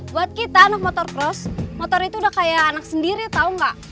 buat kita anak motor cross motor itu udah kayak anak sendiri tau gak